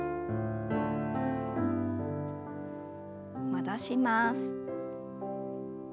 戻します。